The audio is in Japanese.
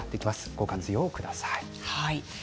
ご活用ください。